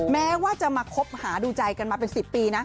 แม้ว่าจะมาคบหาดูใจกันมาเป็น๑๐ปีนะ